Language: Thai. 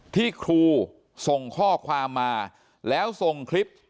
ที่ครูส่งข้อความมาแล้วส่งคลิป